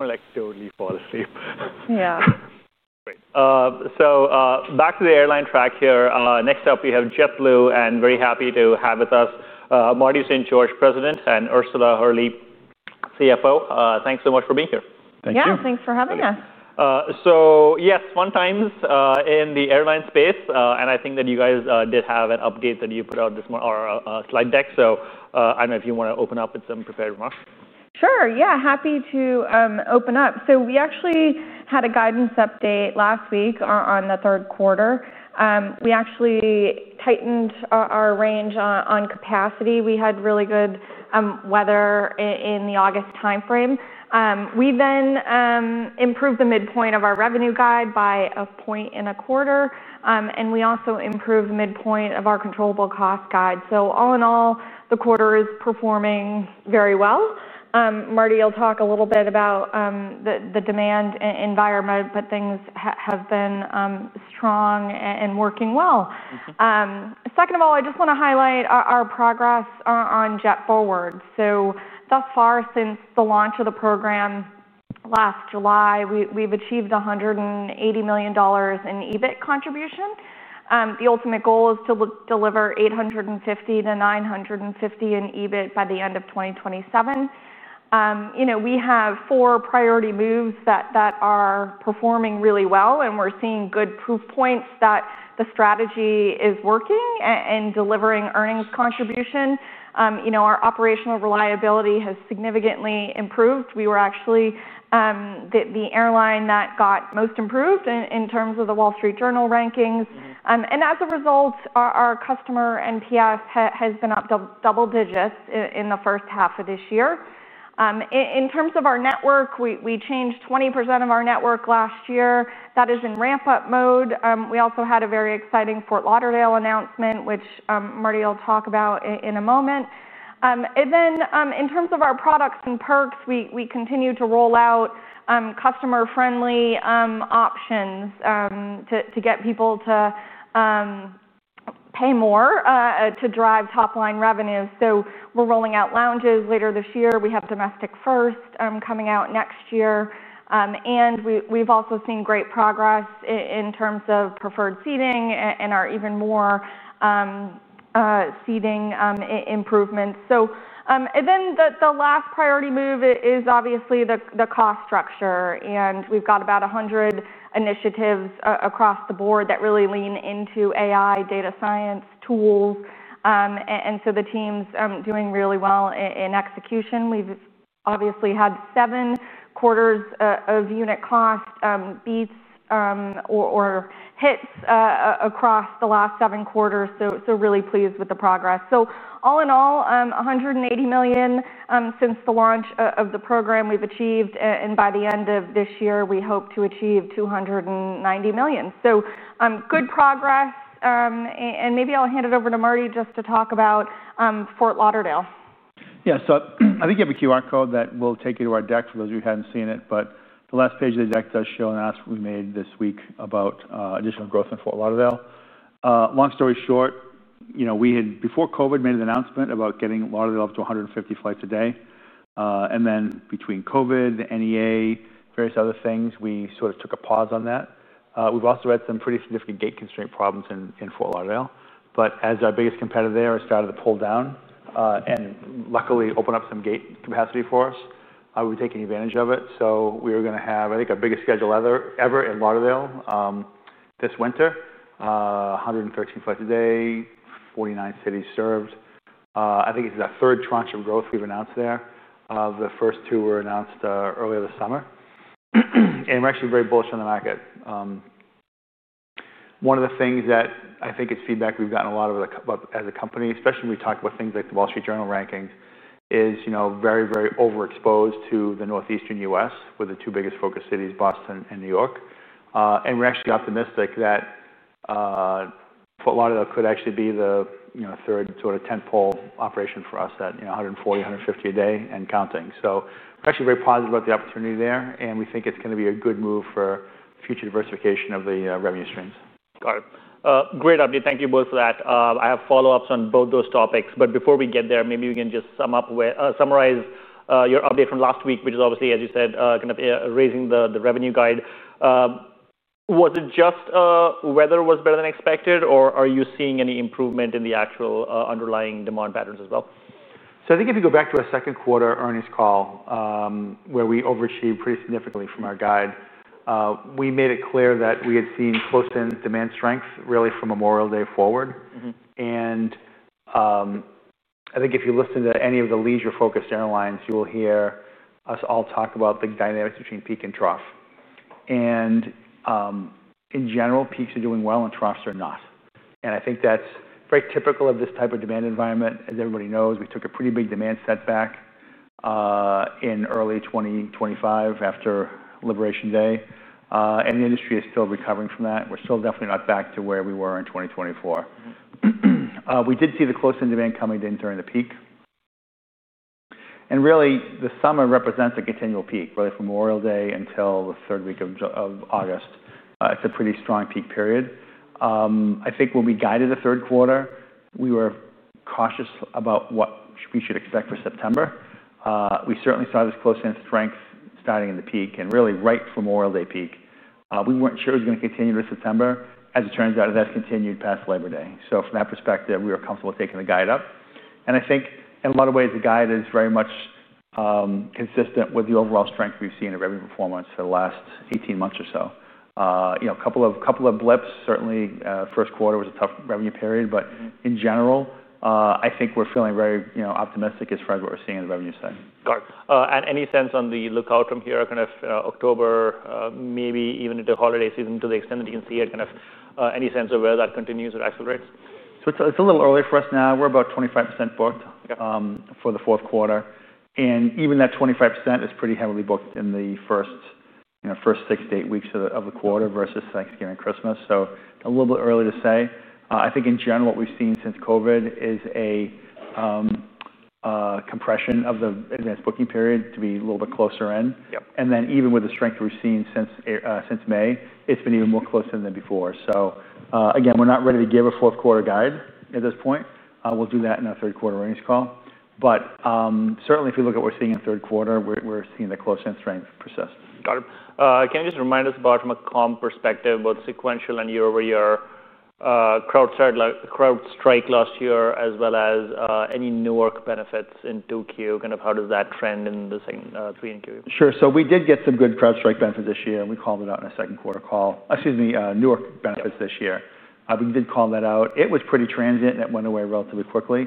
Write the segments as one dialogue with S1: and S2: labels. S1: I'm going to actively fall asleep.
S2: Yeah.
S1: Great. Back to the airline track here. Next up, we have JetBlue Airways, and very happy to have with us Marty St. George, President, and Ursula Hurley, CFO. Thanks so much for being here.
S3: Thank you.
S2: Yeah, thanks for having us.
S1: Yes, fun times in the airline space. I think that you guys did have an update that you put out this morning or a slide deck. I don't know if you want to open up with some prepared remarks?
S2: Sure. Yeah, happy to open up. We actually had a guidance update last week on the third quarter. We actually tightened our range on capacity. We had really good weather in the August time frame. We improved the midpoint of our revenue guide by a point and a quarter. We also improved the midpoint of our controllable cost guide. All in all, the quarter is performing very well. Marty, you'll talk a little bit about the demand environment, but things have been strong and working well. Second, I just want to highlight our progress on JetForward. Thus far, since the launch of the program last July, we've achieved $180 million in EBIT contribution. The ultimate goal is to deliver $850 million-$950 million in EBIT by the end of 2027. We have four priority moves that are performing really well, and we're seeing good proof points that the strategy is working and delivering earnings contribution. Our operational reliability has significantly improved. We were actually the airline that got most improved in terms of the Wall Street Journal rankings. As a result, our customer and NPS has been up double-digits in the first half of this year. In terms of our network, we changed 20% of our network last year. That is in ramp-up mode. We also had a very exciting Fort Lauderdale announcement, which Marty will talk about in a moment. In terms of our products and perks, we continue to roll out customer-friendly options to get people to pay more to drive top-line revenue. We're rolling out lounges later this year. We have Domestic First coming out next year. We've also seen great progress in terms of preferred seating and our even more seating improvements. The last priority move is obviously the cost structure. We've got about 100 initiatives across the board that really lean into AI, data science tools. The team's doing really well in execution. We've had seven quarters of unit cost beats or hits across the last seven quarters. Really pleased with the progress. All in all, $180 million since the launch of the program we've achieved. By the end of this year, we hope to achieve $290 million. Good progress. Maybe I'll hand it over to Marty just to talk about Fort Lauderdale.
S3: Yeah, I think you have a QR code that will take you to our deck for those of you who hadn't seen it. The last page of the deck does show an announcement we made this week about additional growth in Fort Lauderdale. Long story short, we had, before COVID, made an announcement about getting Lauderdale up to 150 flights a day. Between COVID, the Northeast Alliance (NEA), various other things, we sort of took a pause on that. We've also had some pretty significant gate constraint problems in Fort Lauderdale. As our biggest competitor there has started to pull down and luckily open up some gate capacity for us, we're taking advantage of it. We are going to have, I think, our biggest schedule ever in Lauderdale this winter: 113 flights a day, 49 cities served. I think it's the third tranche of growth we've announced there. The first two were announced earlier this summer. We're actually very bullish on the market. One of the things that I think is feedback we've gotten a lot of as a company, especially when we talk about things like the Wall Street Journal rankings, is, you know, very, very overexposed to the northeastern U.S., with the two biggest focus cities: Boston and New York. We're actually optimistic that Fort Lauderdale could actually be the third sort of tentpole operation for us at, you know, 140-150 flights a day and counting. We're actually very positive about the opportunity there. We think it's going to be a good move for future diversification of the revenue streams.
S1: Great, thank you both for that. I have follow-ups on both those topics. Before we get there, maybe we can just summarize your update from last week, which is obviously, as you said, kind of raising the revenue guide. Was it just weather was better than expected? Are you seeing any improvement in the actual underlying demand patterns as well?
S3: I think if you go back to our second quarter earnings call, where we overshaped pretty significantly from our guide, we made it clear that we had seen float demand strengths really from Memorial Day forward. I think if you listen to any of the leisure-focused airlines, you will hear us all talk about the dynamics between peak and trough. In general, peaks are doing well and troughs are not. I think that's very typical of this type of demand environment. As everybody knows, we took a pretty big demand setback in early 2025 after Labor Day, and the industry is still recovering from that. We're still definitely not back to where we were in 2024. We did see the float demand coming in during the peak, and really, the summer represents a continual peak, really from Memorial Day until the third week of August. It's a pretty strong peak period. I think when we guided the third quarter, we were cautious about what we should expect for September. We certainly saw this float strength starting in the peak and really right from Memorial Day peak. We weren't sure it was going to continue to September. As it turns out, it has continued past Labor Day. From that perspective, we were comfortable taking the guide up. I think, in a lot of ways, the guide is very much consistent with the overall strength we've seen in revenue performance for the last 18 months or so. You know, a couple of blips. Certainly, the first quarter was a tough revenue period. In general, I think we're feeling very optimistic as far as what we're seeing in the revenue side.
S1: Got it. Any sense on the lookout from here, kind of October, maybe even into the holiday season, to the extent that you can see it? Any sense of where that continues with actual rates?
S3: It's a little early for us now. We're about 25% booked for the fourth quarter, and even that 25% is pretty heavily booked in the first 6-8 weeks of the quarter versus Thanksgiving and Christmas. It's a little bit early to say. I think, in general, what we've seen since COVID is a compression of the advanced booking period to be a little bit closer in. Even with the strength we've seen since May, it's been even more close in than before. We're not ready to give a fourth quarter guide at this point. We'll do that in our third quarter earnings call. Certainly, if we look at what we're seeing in the third quarter, we're seeing the float strength persist.
S1: Got it. Can you just remind us about, from a comm perspective, both sequential and year-over-year, CrowdStrike last year, as well as any Newark benefits in 2Q? Kind of how does that trend in the second, three and Q?
S3: Sure. We did get some good Newark benefits this year, and we called it out in a second quarter call. Excuse me, Newark benefits this year. We did call that out. It was pretty transient, and it went away relatively quickly.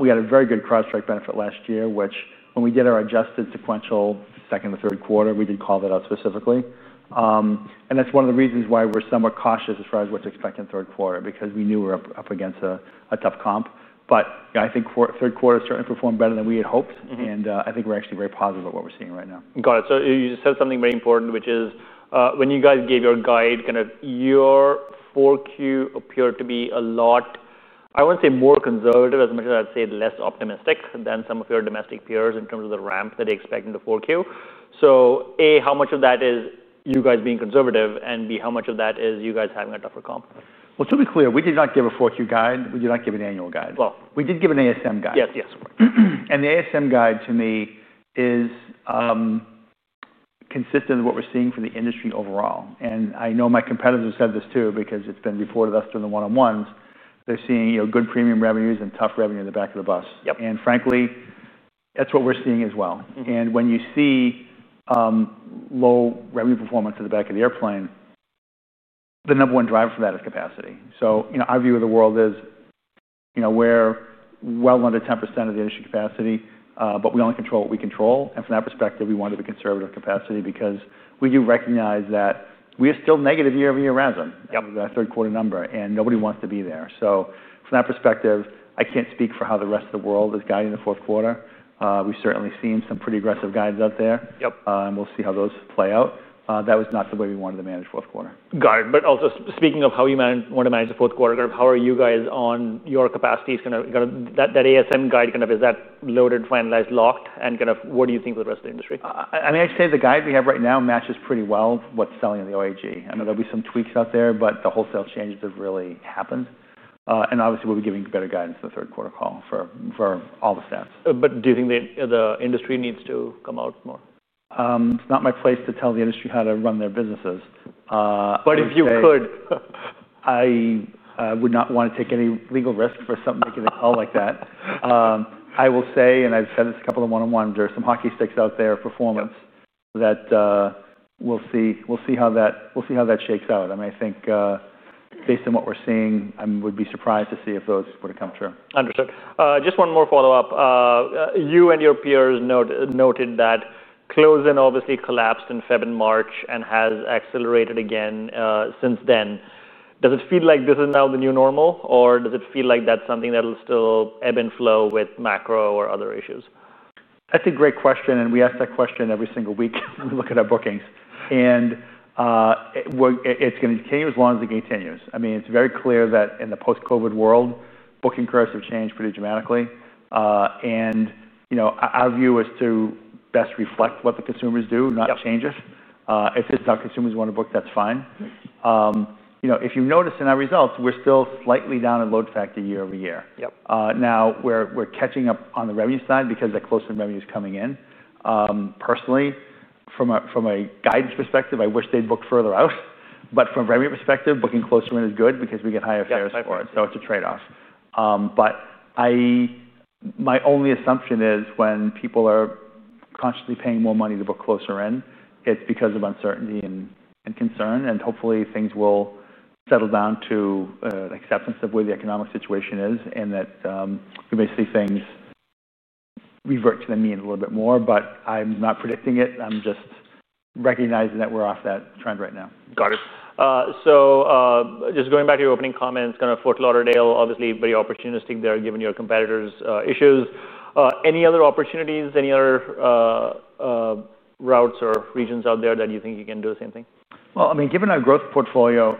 S3: We had a very good Newark benefit last year, which, when we did our adjusted sequential second and third quarter, we did call that out specifically. That's one of the reasons why we're somewhat cautious as far as what to expect in the third quarter, because we knew we were up against a tough comp. I think third quarter certainly performed better than we had hoped, and I think we're actually very positive about what we're seeing right now.
S1: Got it. You just said something very important, which is, when you guys gave your guide, your 4Q appeared to be a lot, I want to say, more conservative, as much as I'd say less optimistic than some of your domestic peers in terms of the ramp that they expect in the 4Q. A, how much of that is you guys being conservative? B, how much of that is you guys having a tougher comp?
S3: To be clear, we did not give a 4Q guide. We did not give an annual guide.
S1: Well.
S3: We did give an ASM guide.
S1: Yes, yes.
S3: The ASM guide, to me, is consistent with what we're seeing from the industry overall. I know my competitors have said this too, because it's been reported to us during the one-on-ones. They're seeing good premium revenues and tough revenue in the back of the bus. Frankly, that's what we're seeing as well. When you see low revenue performance at the back of the airplane, the number one driver for that is capacity. Our view of the world is we're well under 10% of the industry capacity, but we only control what we control. From that perspective, we want to be conservative with capacity, because we do recognize that we are still negative year-over-year rather than our third quarter number. Nobody wants to be there. From that perspective, I can't speak for how the rest of the world is guiding the fourth quarter. We've certainly seen some pretty aggressive guides out there. We'll see how those play out. That was not the way we wanted to manage the fourth quarter.
S1: Got it. Speaking of how you want to manage the fourth quarter, how are you guys on your capacities? That ASM guide, is that loaded, finalized, locked? What do you think of the rest of the industry?
S3: I'd say the guide we have right now matches pretty well what's selling in the OAG. I know there'll be some tweaks out there, but the wholesale changes have really happened. Obviously, we'll be giving better guidance in the third quarter call for all the stats.
S1: Do you think the industry needs to come out more?
S3: It's not my place to tell the industry how to run their businesses.
S1: If you could.
S3: I would not want to take any legal risk for something to get out like that. I will say, I've said this a couple of one-on-ones, there are some hockey sticks out there of performance that we'll see how that shakes out. I think, based on what we're seeing, I would be surprised to see if those were to come true.
S1: Understood. Just one more follow-up. You and your peers noted that closing obviously collapsed in February and March, and has accelerated again since then. Does it feel like this is now the new normal? Or does it feel like that's something that'll still ebb and flow with macro or other issues?
S3: That's a great question. We ask that question every single week when we look at our bookings. It's going to continue as long as it continues. It is very clear that in the post-COVID world, booking curves have changed pretty dramatically. Our view is to best reflect what the consumers do, not change it. If it's not consumers want to book, that's fine. If you notice in our results, we're still slightly down in load factor year over year. We're catching up on the revenue side because the closer revenue is coming in. Personally, from a guidance perspective, I wish they'd book further out. From a revenue perspective, booking closer in is good because we get higher fares for it. It is a trade-off. My only assumption is when people are consciously paying more money to book closer in, it's because of uncertainty and concern. Hopefully, things will settle down to acceptance of where the economic situation is and that we may see things revert to the mean a little bit more. I'm not predicting it. I'm just recognizing that we're off that trend right now.
S1: Got it. Just going back to your opening comments, Fort Lauderdale is obviously very opportunistic there given your competitors' issues. Any other opportunities, any other routes or regions out there that you think you can do the same thing?
S3: Given our growth portfolio,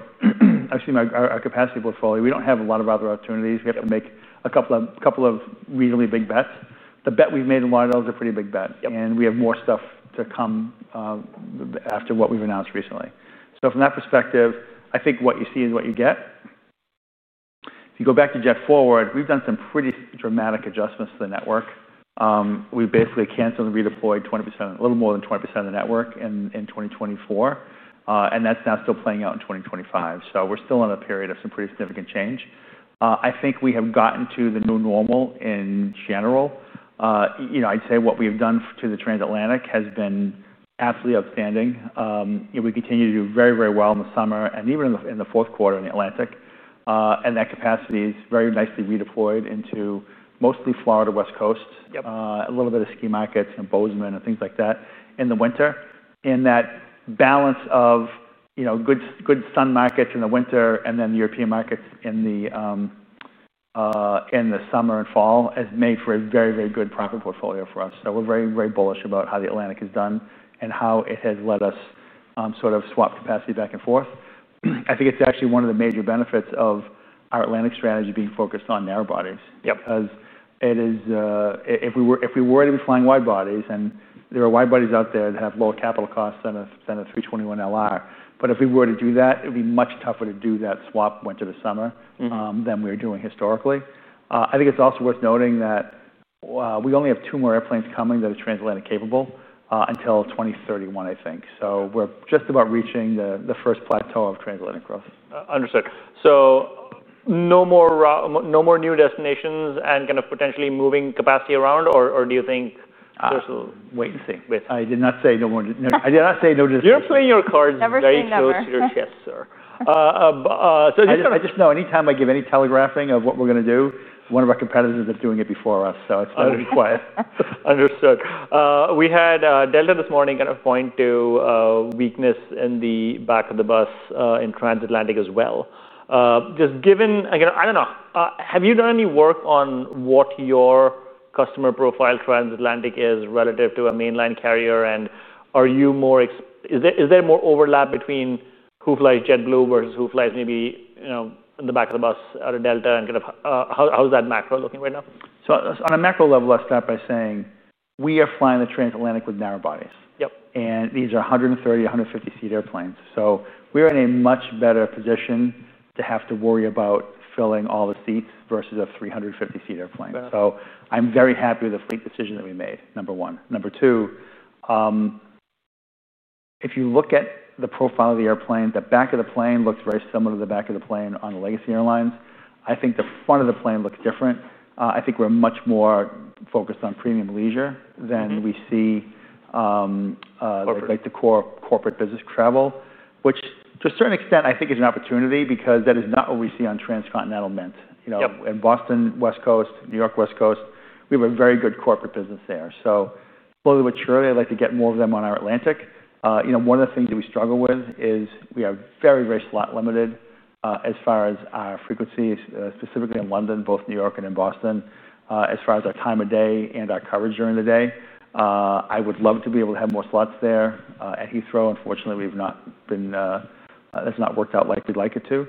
S3: actually our capacity portfolio, we don't have a lot of other opportunities. We have to make a couple of really big bets. The bet we've made in Fort Lauderdale is a pretty big bet, and we have more stuff to come after what we've announced recently. From that perspective, I think what you see is what you get. If you go back to JetForward, we've done some pretty dramatic adjustments to the network. We basically canceled and redeployed 20%, a little more than 20% of the network in 2024, and that's now still playing out in 2025. We're still in a period of some pretty significant change. I think we have gotten to the new normal in general. I'd say what we have done to the transatlantic has been absolutely outstanding. We continue to do very, very well in the summer and even in the fourth quarter in the Atlantic, and that capacity is very nicely re-deployed into mostly Florida West Coast, a little bit of ski markets and Bozeman and things like that in the winter. That balance of good sun markets in the winter and then European markets in the summer and fall has made for a very, very good profit portfolio for us. We're very, very bullish about how the Atlantic has done and how it has let us sort of swap capacity back and forth. I think it's actually one of the major benefits of our Atlantic strategy being focused on narrowbodies. If we were to be flying wide bodies, and there are wide bodies out there that have lower capital costs than an A321LR, but if we were to do that, it would be much tougher to do that swap winter to summer than we are doing historically. I think it's also worth noting that we only have two more airplanes coming that are transatlantic capable until 2031, I think. We're just about reaching the first plateau of transatlantic growth.
S1: Understood. No more new destinations and kind of potentially moving capacity around? Do you think we'll just wait and see?
S3: Wait, I did not say no more. I did not say no.
S1: You're playing your cards.
S2: Never say never.
S1: Never say no to your ships, sir.
S3: I just know any time I give any telegraphing of what we're going to do, one of our competitors is doing it before us. It is better to be quiet.
S1: Understood. We had Delta this morning point to weakness in the back of the bus in transatlantic as well. Just given, I don't know, have you done any work on what your customer profile transatlantic is relative to a mainland carrier? Are you more, is there more overlap between who flies JetBlue versus who flies maybe in the back of the bus at Delta? How is that macro-looking right now?
S3: On a macro-level, I'll start by saying we are flying the transatlantic with narrowbodies. These are 130-150-seat airplanes. We are in a much better position to have to worry about filling all the seats versus a 350-seat airplane. I'm very happy with the fleet decision that we made, number one. Number two, if you look at the profile of the airplane, the back of the plane looks very similar to the back of the plane on legacy airlines. I think the front of the plane looks different. I think we're much more focused on premium leisure than we see the corporate business travel, which to a certain extent, I think, is an opportunity because that is not what we see on transcontinental Mint. Boston West Coast, New York West Coast, we have a very good corporate business there. Slowly but surely, I'd like to get more of them on our Atlantic. One of the things that we struggle with is we are very, very slot limited as far as our frequencies, specifically in London, both New York and in Boston, as far as our time of day and our coverage during the day. I would love to be able to have more slots there. At Heathrow, unfortunately, that's not worked out like we'd like it to.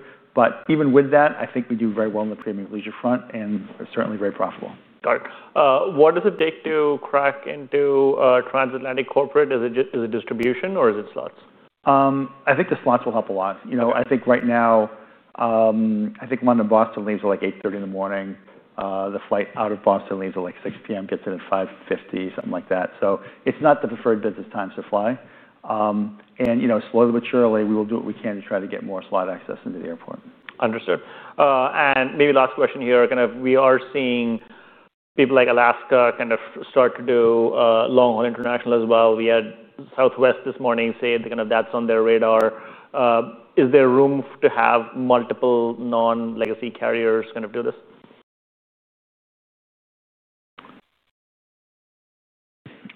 S3: Even with that, I think we do very well on the premium leisure front and are certainly very profitable.
S1: Got it. What does it take to crack into transatlantic corporate? Is it distribution or is it slots?
S3: I think the slots will help a lot. I think right now, one of Boston leaves at 8:30 A.M. The flight out of Boston leaves at 6:00 P.M., gets in at 5:50 P.M., something like that. It's not the preferred business times to fly. Slowly but surely, we will do what we can to try to get more slot access into the airport.
S1: Understood. Maybe last question here, we are seeing people like Alaska start to do long-haul international as well. We had Southwest this morning say that's on their radar. Is there room to have multiple non-legacy carriers do this?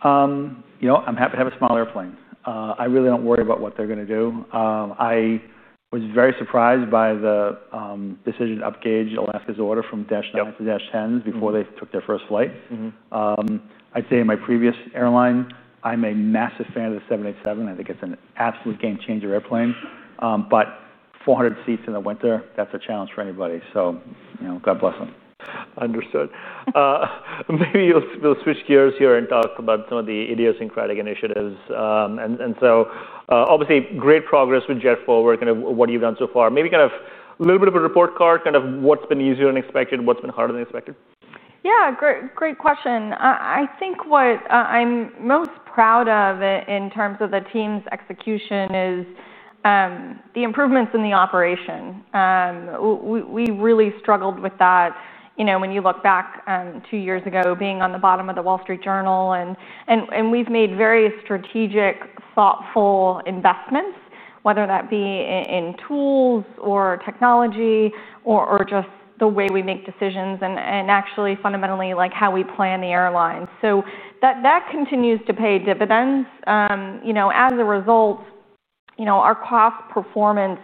S3: I'm happy to have a small airplane. I really don't worry about what they're going to do. I was very surprised by the decision to upgrade Alaska's order from Dash 9-Dash 10s before they took their first flight. I'd say in my previous airline, I'm a massive fan of the 787. I think it's an absolute game-changer airplane. 400 seats in the winter, that's a challenge for anybody. God bless them.
S1: Understood. Maybe we'll switch gears here and talk about some of the idiosyncratic initiatives. Obviously, great progress with JetForward and kind of what you've done so far. Maybe kind of a little bit of a report card, what's been easier than expected, what's been harder than expected?
S2: Yeah, great question. I think what I'm most proud of in terms of the team's execution is the improvements in the operation. We really struggled with that. You know, when you look back two years ago, being on the bottom of the Wall Street Journal, and we've made very strategic, thoughtful investments, whether that be in tools or technology or just the way we make decisions and actually fundamentally like how we plan the airline. That continues to pay dividends. As a result, our cost performance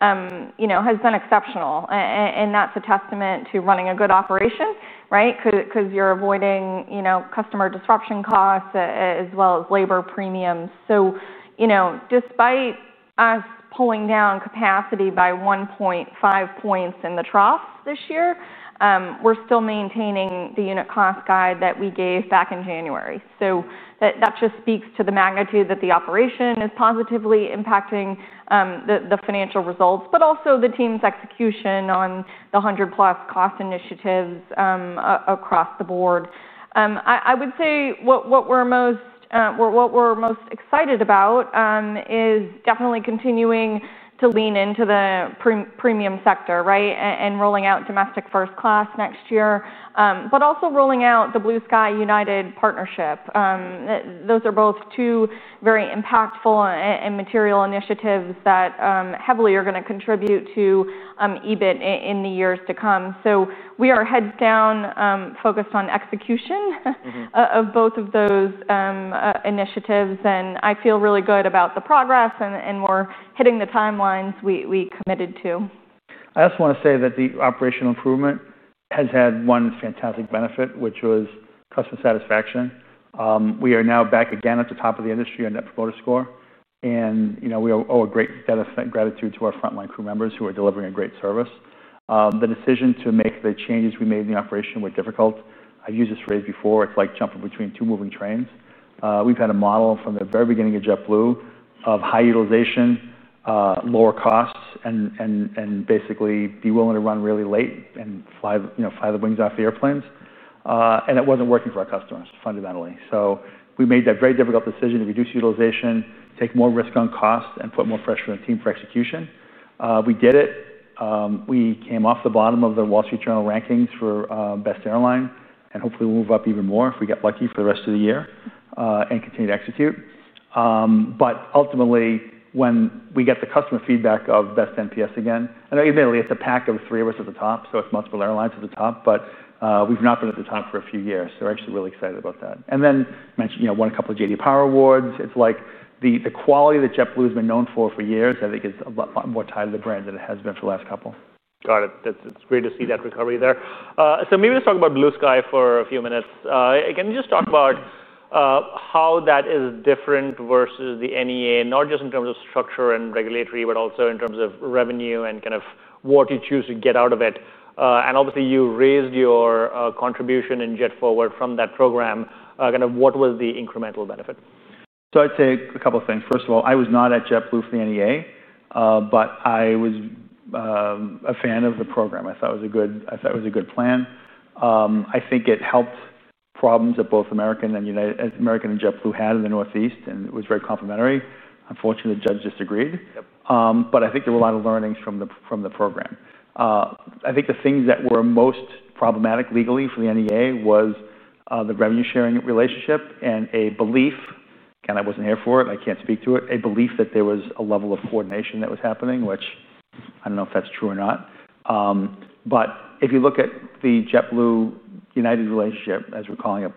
S2: has been exceptional. That's a testament to running a good operation, right? Because you're avoiding customer disruption costs as well as labor premiums. Despite us pulling down capacity by 1.5 points in the troughs this year, we're still maintaining the unit cost guide that we gave back in January. That just speaks to the magnitude that the operation is positively impacting the financial results, but also the team's execution on the 100+ cost initiatives across the board. I would say what we're most excited about is definitely continuing to lean into the premium sector, right, and rolling out Domestic First Class next year, but also rolling out the Blue Sky-United partnership. Those are both two very impactful and material initiatives that heavily are going to contribute to EBIT in the years to come. We are heads down focused on execution of both of those initiatives. I feel really good about the progress, and we're hitting the timelines we committed to.
S3: I also want to say that the operational improvement has had one fantastic benefit, which was customer satisfaction. We are now back again at the top of the industry on Net Promoter Score. We owe a great debt of gratitude to our frontline crew members who are delivering a great service. The decision to make the changes we made in the operation were difficult. I've used this phrase before. It's like jumping between two moving trains. We've had a model from the very beginning of JetBlue of high utilization, lower costs, and basically be willing to run really late and fly the wings off the airplanes. It wasn't working for our customers fundamentally. We made a very difficult decision to reduce utilization, take more risk on cost, and put more pressure on the team for execution. We did it. We came off the bottom of the Wall Street Journal rankings for best airline. Hopefully, we'll move up even more if we get lucky for the rest of the year and continue to execute. Ultimately, when we get the customer feedback of best NPS again, I know in reality it's a pack of three of us at the top. It's multiple airlines at the top. We've not been at the top for a few years. We're actually really excited about that. We won a couple of J.D. Power Awards. It's like the quality that JetBlue has been known for for years, I think it's a lot more tied to the brand than it has been for the last couple.
S1: Got it. It's great to see that recovery there. Maybe let's talk about Blue Sky for a few minutes. Can you just talk about how that is different versus the NEA, not just in terms of structure and regulatory, but also in terms of revenue and kind of what you choose to get out of it? Obviously, you raised your contribution in JetForward from that program. Kind of what was the incremental benefit?
S3: I'd say a couple of things. First of all, I was not at JetBlue for NEA. I was a fan of the program. I thought it was a good plan. I think it helped problems that both American Airlines and JetBlue had in the Northeast. It was very complementary. Unfortunately, the judge disagreed. I think there were a lot of learnings from the program. I think the things that were most problematic legally for the NEA were the revenue sharing relationship and a belief, again, I wasn't here for it, I can't speak to it, a belief that there was a level of coordination that was happening, which I don't know if that's true or not. If you look at the JetBlue and United relationship, as we're calling it,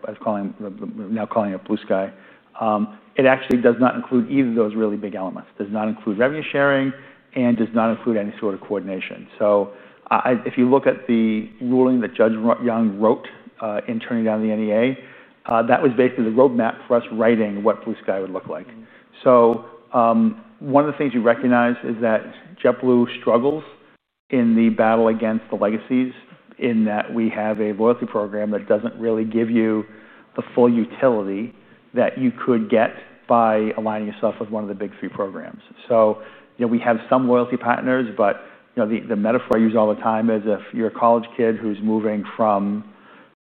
S3: now calling it Blue Sky, it actually does not include either of those really big elements. It does not include revenue sharing and does not include any sort of coordination. If you look at the ruling that Judge Young wrote in turning down the NEA, that was basically the roadmap for us writing what Blue Sky would look like. One of the things we recognize is that JetBlue struggles in the battle against the legacies, in that we have a loyalty program that doesn't really give you the full utility that you could get by aligning yourself with one of the big three programs. We have some loyalty partners. The metaphor I use all the time is if you're a college kid who's moving from,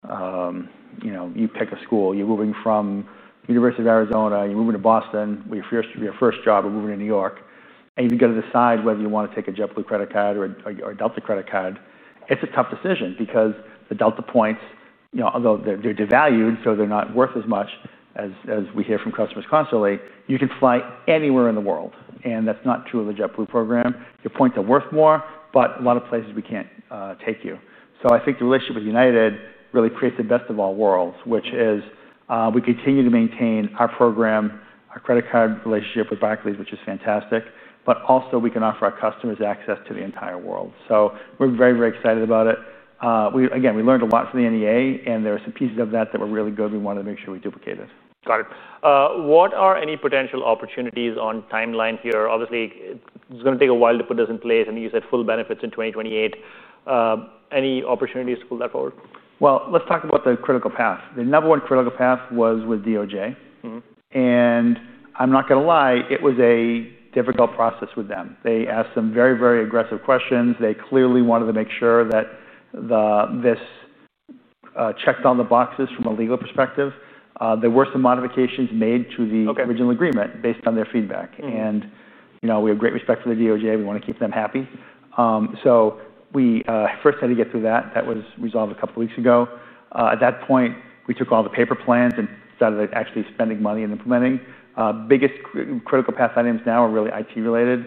S3: you know, you pick a school, you're moving from the University of Arizona, you're moving to Boston, your first job, you're moving to New York, and you've got to decide whether you want to take a JetBlue credit card or a Delta credit card, it's a tough decision because the Delta points, you know, although they're devalued, so they're not worth as much, as we hear from customers constantly, you can fly anywhere in the world. That's not true of the JetBlue program. Your points are worth more, but a lot of places we can't take you. I think the relationship with United really creates the best of all worlds, which is we continue to maintain our program, our credit card relationship with Barclays, which is fantastic. We can offer our customers access to the entire world. We're very, very excited about it. We learned a lot from the NEA. There were some pieces of that that were really good we wanted to make sure we duplicated.
S1: Got it. What are any potential opportunities on timeline here? Obviously, it's going to take a while to put this in place. I know you said full benefits in 2028. Any opportunities to pull that forward?
S3: Let's talk about the critical path. The number one critical path was with DOJ. I'm not going to lie, it was a difficult process with them. They asked some very, very aggressive questions. They clearly wanted to make sure that this checked all the boxes from a legal perspective. There were some modifications made to the original agreement based on their feedback. We have great respect for the DOJ. We want to keep them happy. We first had to get through that. That was resolved a couple of weeks ago. At that point, we took all the paper plans and started actually spending money and implementing. The biggest critical path items now are really IT-related.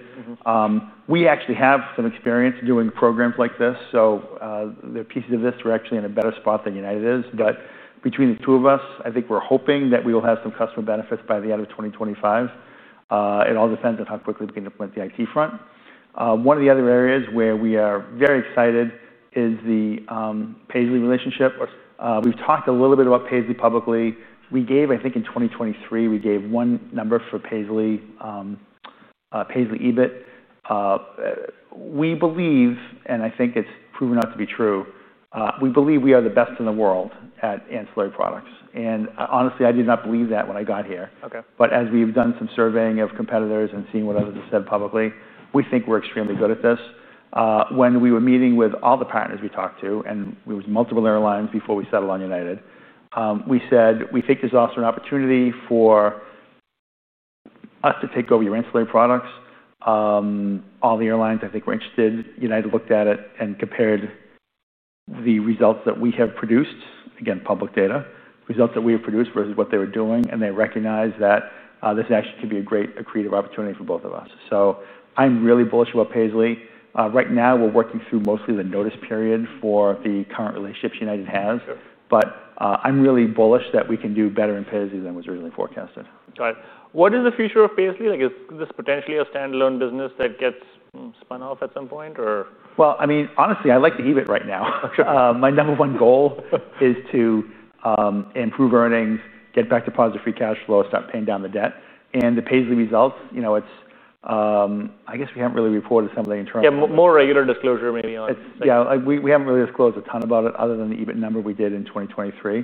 S3: We actually have some experience doing programs like this. The pieces of this were actually in a better spot than United is. Between the two of us, I think we're hoping that we will have some customer benefits by the end of 2025. It all depends on how quickly we can implement the IT front. One of the other areas where we are very excited is the Paisly relationship. We've talked a little bit about Paisly publicly. We gave, I think, in 2023, we gave one number for Paisly EBIT. We believe, and I think it's proven out to be true, we believe we are the best in the world at ancillary products. Honestly, I did not believe that when I got here.
S1: Ok.
S3: As we've done some surveying of competitors and seen what others have said publicly, we think we're extremely good at this. When we were meeting with all the partners we talked to, and it was multiple airlines before we settled on United, we said, we think this offers an opportunity for us to take over your ancillary products. All the airlines I think were interested. United looked at it and compared the results that we have produced, again, public data, results that we have produced versus what they were doing. They recognize that this actually could be a great creative opportunity for both of us. I'm really bullish about Paisly. Right now, we're working through mostly the notice period for the current relationships United has. I'm really bullish that we can do better in Paisly than was originally forecasted.
S1: Got it. What is the future of Paisly? Is this potentially a standalone business that gets spun off at some point, or?
S3: Honestly, I like the EBIT right now. My number one goal is to improve earnings, get back to positive free cash flow, start paying down the debt. The Paisly results, you know, I guess we haven't really reported some of the internal.
S1: Yeah, more regular disclosure, maybe.
S3: Yeah, we haven't really disclosed a ton about it other than the EBIT number we did in 2023.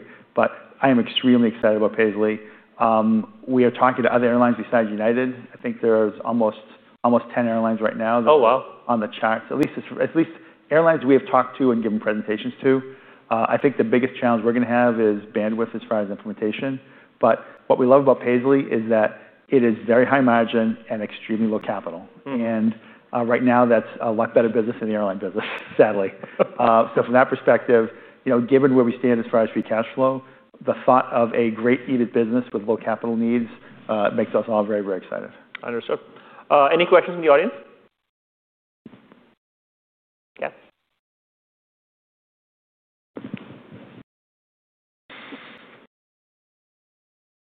S3: I am extremely excited about Paisly. We are talking to other airlines besides United. I think there are almost 10 airlines right now on the charts, at least airlines we have talked to and given presentations to. I think the biggest challenge we're going to have is bandwidth as far as implementation. What we love about Paisly is that it is very high margin and extremely low capital. Right now, that's a lot better business than the airline business, sadly. From that perspective, given where we stand as far as free cash flow, the thought of a great EBIT business with low capital needs makes us all very, very excited.
S1: Understood. Any questions from the audience?
S4: Yes.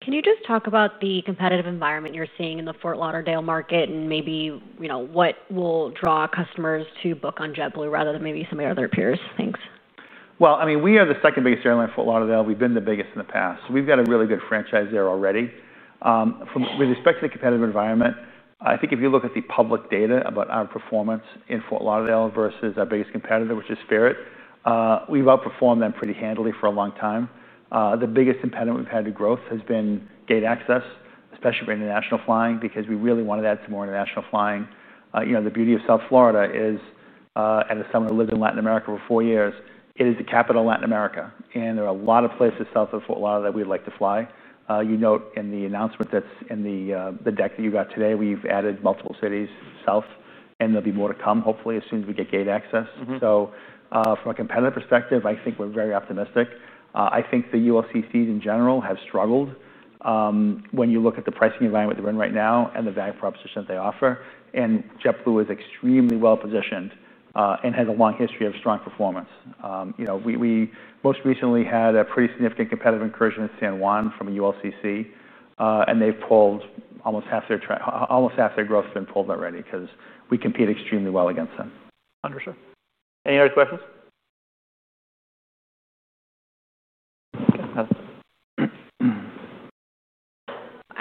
S4: Can you just talk about the competitive environment you're seeing in the Fort Lauderdale market, and maybe what will draw customers to book on JetBlue rather than maybe some of your other peers' things?
S3: I mean, we are the second biggest airline in Fort Lauderdale. We've been the biggest in the past. We've got a really good franchise there already. With respect to the competitive environment, I think if you look at the public data about our performance in Fort Lauderdale versus our biggest competitor, which is Spirit, we've outperformed them pretty handily for a long time. The biggest impediment we've had to growth has been gate access, especially for international flying, because we really want to add some more international flying. The beauty of South Florida is, and as someone who lived in Latin America for four years, it is the capital of Latin America. There are a lot of places south of Fort Lauderdale that we'd like to fly. You note in the announcement that's in the deck that you got today, we've added multiple cities south. There'll be more to come, hopefully, as soon as we get gate access. From a competitive perspective, I think we're very optimistic. I think the ULCCs in general have struggled when you look at the pricing environment they're in right now and the value proposition that they offer. JetBlue is extremely well positioned and has a long history of strong performance. We most recently had a pretty significant competitive incursion at San Juan from a ULCC. They've pulled almost half their growth's been pulled already because we compete extremely well against them.
S1: Understood. Any other questions?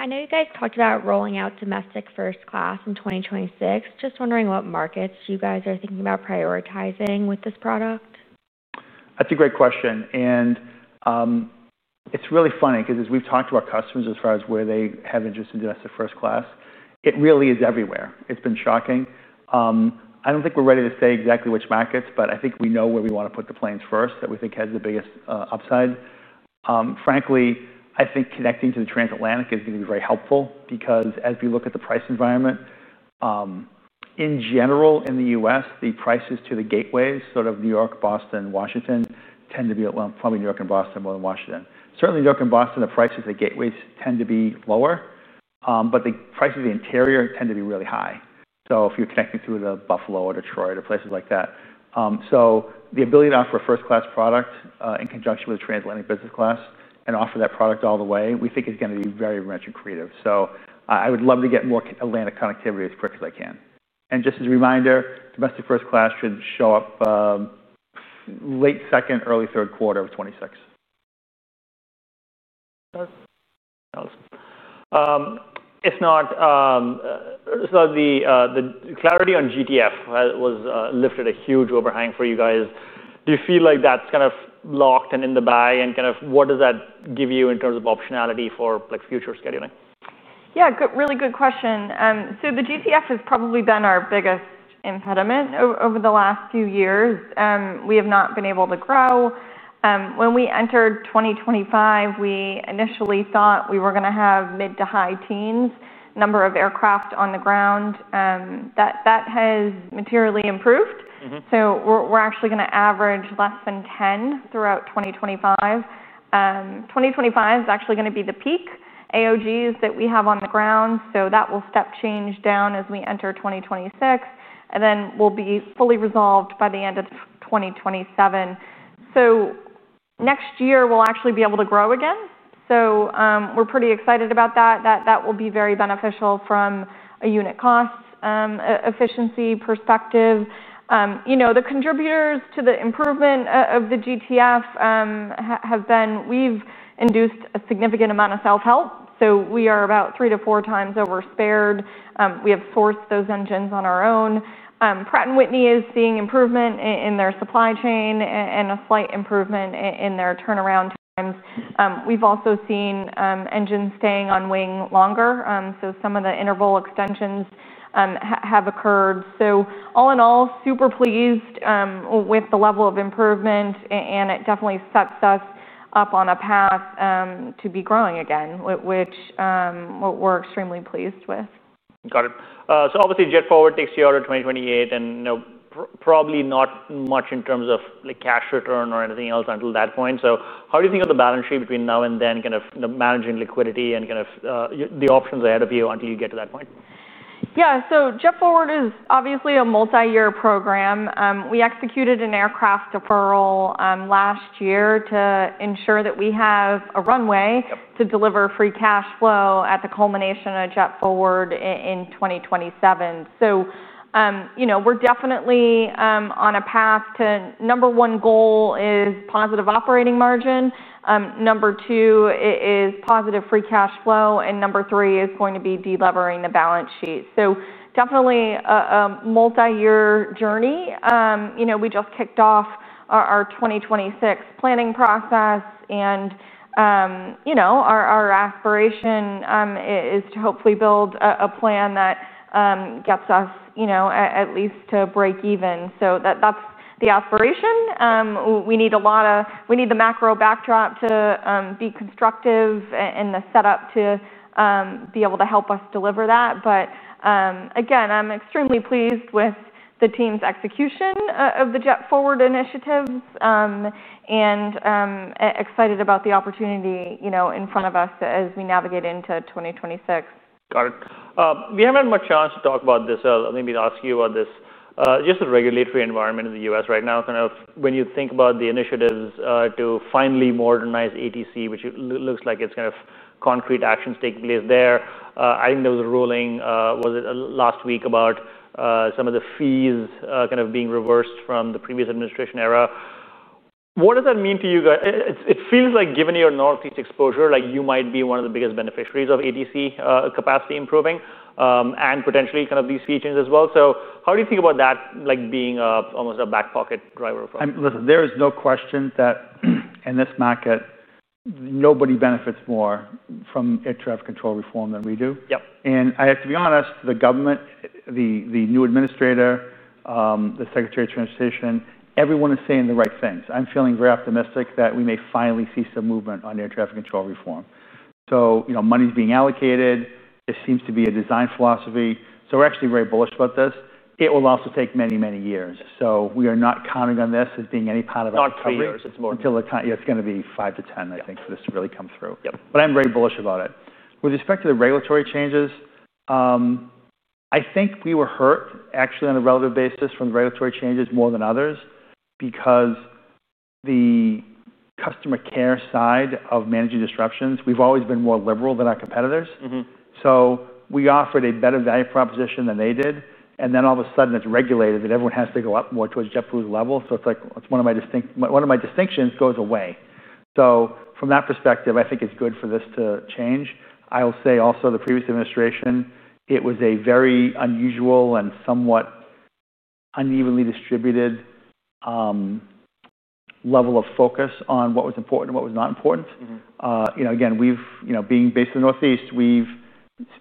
S4: I know you guys talked about rolling out Domestic First Class in 2026. Just wondering what markets you guys are thinking about prioritizing with this product.
S3: That's a great question. It's really funny because as we've talked to our customers as far as where they have interest in Domestic First Class, it really is everywhere. It's been shocking. I don't think we're ready to say exactly which markets, but I think we know where we want to put the planes first that we think has the biggest upside. Frankly, I think connecting to the transatlantic is going to be very helpful because as we look at the price environment, in general, in the U.S., the prices to the gateways, sort of New York, Boston, Washington, tend to be probably New York and Boston more than Washington. Certainly, New York and Boston, the prices to the gateways tend to be lower. The prices of the interior tend to be really high, if you're connecting through to Buffalo or Detroit or places like that. The ability to offer a first-class product in conjunction with a transatlantic business class and offer that product all the way, we think is going to be very rich and creative. I would love to get more Atlantic connectivity as quick as I can. Just as a reminder, Domestic First Class should show up late second, early third quarter of 2026.
S1: It's not the clarity on GTF that was lifted a huge overhang for you guys. Do you feel like that's kind of locked and in the bag? What does that give you in terms of optionality for future scheduling?
S2: Yeah, really good question. The GTF has probably been our biggest impediment over the last few years. We have not been able to grow. When we entered 2025, we initially thought we were going to have mid to high teens number of aircraft on the ground. That has materially improved. We're actually going to average less than 10 throughout 2025. 2025 is actually going to be the peak AOGs that we have on the ground. That will step change down as we enter 2026, and we'll be fully resolved by the end of 2027. Next year, we'll actually be able to grow again. We're pretty excited about that. That will be very beneficial from a unit cost efficiency perspective. The contributors to the improvement of the GTF have been we've induced a significant amount of self-help. We are about 3-4x overspared. We have sourced those engines on our own. Pratt & Whitney is seeing improvement in their supply chain and a slight improvement in their turnaround times. We've also seen engines staying on wing longer. Some of the interval extensions have occurred. All in all, super pleased with the level of improvement. It definitely sets us up on a path to be growing again, which we're extremely pleased with.
S1: Got it. JetForward takes you out of 2028. There is probably not much in terms of cash return or anything else until that point. How do you think of the balance sheet between now and then, managing liquidity and the options ahead of you until you get to that point?
S2: Yeah, JetForward is obviously a multi-year program. We executed an aircraft deferral last year to ensure that we have a runway to deliver free cash flow at the culmination of JetForward in 2027. We're definitely on a path to number one goal is positive operating margin. Number two is positive free cash flow. Number three is going to be delivering the balance sheet. Definitely a multi-year journey. We just kicked off our 2026 planning process, and our aspiration is to hopefully build a plan that gets us at least to break even. That's the aspiration. We need the macro backdrop to be constructive and the setup to be able to help us deliver that. Again, I'm extremely pleased with the team's execution of the JetForward initiative and excited about the opportunity in front of us as we navigate into 2026.
S1: Got it. We haven't had much chance to talk about this. I'll maybe ask you about this. Just the regulatory environment in the U.S. right now, kind of when you think about the initiatives to finally modernize ATC, which looks like it's kind of concrete actions taking place there. I think there was a ruling, was it last week, about some of the fees kind of being reversed from the previous administration era. What does that mean to you guys? It feels like given your Northeast exposure, like you might be one of the biggest beneficiaries of ATC capacity improving and potentially kind of these features as well. How do you think about that being almost a back pocket driver for us?
S3: There is no question that in this market, nobody benefits more from air traffic control reform than we do. To be honest, the government, the new Administrator, the Secretary of Transportation, everyone is saying the right things. I'm feeling very optimistic that we may finally see some movement on air traffic control reform. Money is being allocated. This seems to be a design philosophy. We're actually very bullish about this. It will also take many, many years. We are not counting on this as being any part of our strategy.
S1: Not 10 years, it's more.
S3: Yeah, it's going to be 5-10, I think, for this to really come through. I'm very bullish about it. With respect to the regulatory changes, I think we were hurt actually on a relative basis from the regulatory changes more than others because the customer care side of managing disruptions, we've always been more liberal than our competitors. We offered a better value proposition than they did, and then all of a sudden, it's regulated that everyone has to go up more towards JetBlue's level. It's like one of my distinctions goes away. From that perspective, I think it's good for this to change. I will say also the previous administration, it was a very unusual and somewhat unevenly distributed level of focus on what was important and what was not important. Again, being based in the Northeast, we've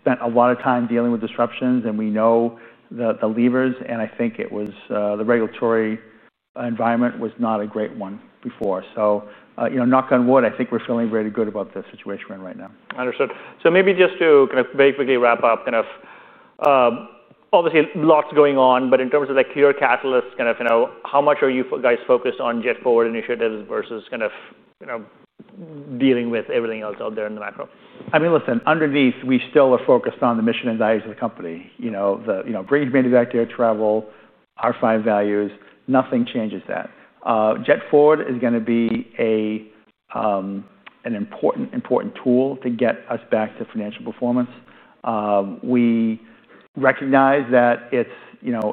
S3: spent a lot of time dealing with disruptions, and we know the levers. I think the regulatory environment was not a great one before. Knock on wood, I think we're feeling very good about the situation we're in right now.
S1: Understood. Maybe just to basically wrap up, obviously lots going on. In terms of the clear catalysts, how much are you guys focused on JetForward initiatives versus dealing with everything else out there in the macro?
S3: I mean, listen, underneath, we still are focused on the mission and values of the company. You know, bringing humanity back to air travel, our five values, nothing changes that. JetForward is going to be an important, important tool to get us back to financial performance. We recognize that it's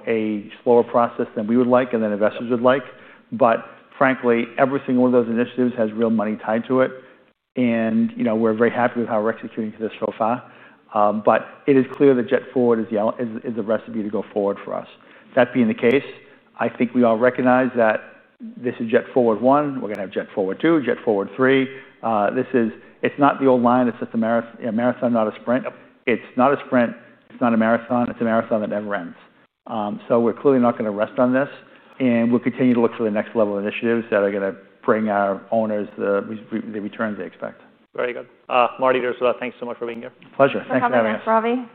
S3: a slower process than we would like and that investors would like. Frankly, every single one of those initiatives has real money tied to it, and we're very happy with how we're executing to this so far. It is clear that JetForward is the recipe to go forward for us. That being the case, I think we all recognize that this is JetForward 1. We're going to have JetForward 2, JetForward 3. It's not the old line that says a marathon, not a sprint. It's not a sprint. It's not a marathon. It's a marathon that never ends. We're clearly not going to rest on this, and we'll continue to look for the next level of initiatives that are going to bring our owners the return they expect.
S1: Very good. Marty, thanks so much for being here.
S3: Pleasure. Thanks for having me.
S2: Thanks so much, Ravi.